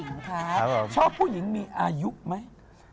น้องชอบผู้หญิงมีอายุไหม